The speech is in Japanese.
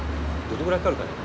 どのぐらいかかるかな。